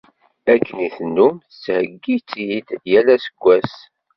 Akken i tennum tettheyyi-tt-id yal aseggas.